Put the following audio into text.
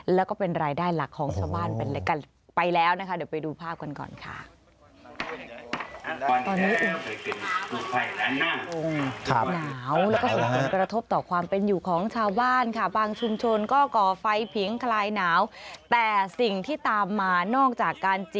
แล้วก็เป็นรายได้หลักของชาวบ้านเป็นและกัน